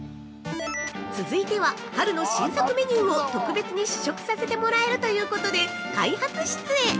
続いては、春の新作メニューを特別に試食させてもらえるということで開発室へ！